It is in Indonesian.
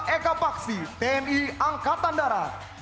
eka paksi tni angkatan darat